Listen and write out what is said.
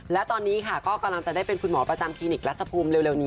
และตอนนี้ค่ะก็กำลังจะได้เป็นคุณหมอประจำคลินิกรัฐภูมิเร็วนี้